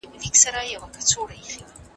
هر انسان باید د خپل راتلونکي لپاره پلان ولري.